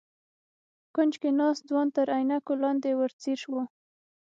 په کونج کې ناست ځوان تر عينکو لاندې ور ځير و.